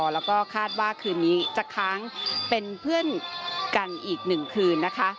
แล้วก็คาดว่าคืนนี้จะค้างเป็นเพื่อนกันอีก๑คืนนะคะ